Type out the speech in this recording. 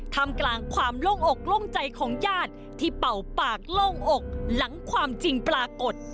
ทำกลางความโล่งอกโล่งใจของญาติที่เป่าปากโล่งอกหลังความจริงปรากฏ